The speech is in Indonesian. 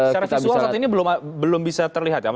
secara visual saat ini belum bisa terlihat ya